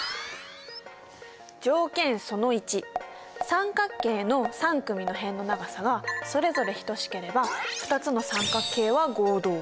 三角形の３組の辺の長さがそれぞれ等しければ２つの三角形は合同。